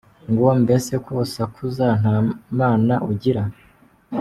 ngo ‘mbese ko usakuza nta Mana ugira?’.